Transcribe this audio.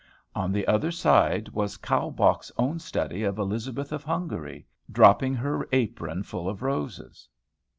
On the other side was Kaulbach's own study of Elizabeth of Hungary, dropping her apron full of roses.